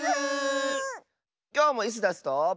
きょうもイスダスと。